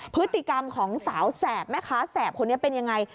พฤติกรรมของสาวแสบแม่ค้าแสบคนนี้เป็นยังไง